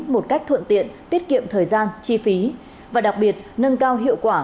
một cách thuận tiện tiết kiệm thời gian chi phí và đặc biệt nâng cao hiệu quả